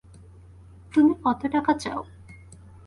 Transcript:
তুমি কত টাকা চাও?